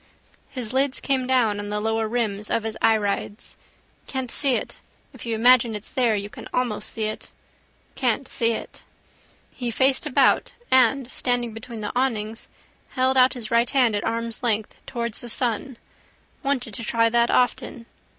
His lids came down on the lower rims of his irides. Can't see it. If you imagine it's there you can almost see it. Can't see it. He faced about and, standing between the awnings, held out his right hand at arm's length towards the sun. Wanted to try that often.